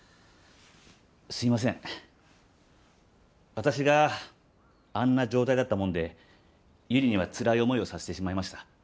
私があんな状態だったもんで悠里にはつらい思いをさせてしまいました。